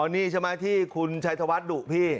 นี่ใช่ไหมที่คุณชัยธวัฒน์ดุพี่